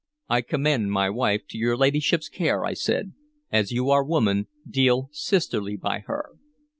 "I commend my wife to your ladyship's care," I said. "As you are woman, deal sisterly by her!"